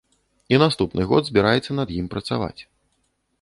І наступны год збіраецца над ім працаваць.